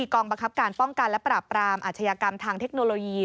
กองบังคับการป้องกันและปราบปรามอาชญากรรมทางเทคโนโลยี